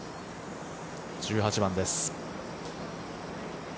１８番です。